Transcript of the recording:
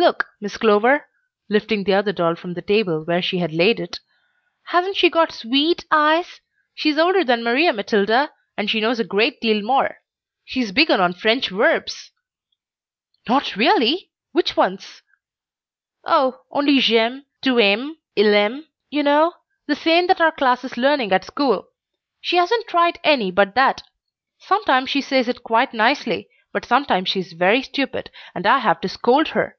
Look, Miss Clover," lifting the other doll from the table where she had laid it; "hasn't she got sweet eyes? She's older than Maria Matilda, and she knows a great deal more. She's begun on French verbs!" "Not really! Which ones?" "Oh, only 'J'aime, tu aimes, il aime,' you know, the same that our class is learning at school. She hasn't tried any but that. Sometimes she says it quite nicely, but sometimes she's very stupid, and I have to scold her."